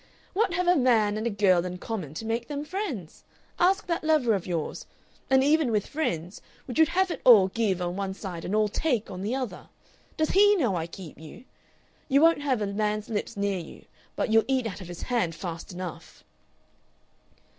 What have a man and a girl in common to make them friends? Ask that lover of yours! And even with friends, would you have it all Give on one side and all Take on the other?... Does HE know I keep you?... You won't have a man's lips near you, but you'll eat out of his hand fast enough."